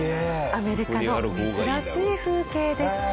アメリカの珍しい風景でした。